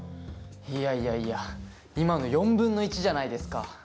いやいやいや今の４分の１じゃないですか。